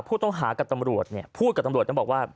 พูดกับตำรวจก็บอกว่า